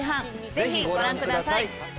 ぜひご覧ください。